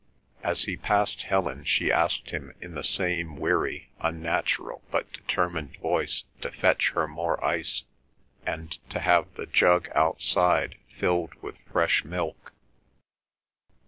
As he passed Helen she asked him in the same weary, unnatural, but determined voice to fetch her more ice, and to have the jug outside filled with fresh milk.